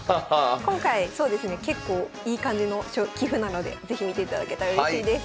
今回そうですね結構いい感じの棋譜なので是非見ていただけたらうれしいです。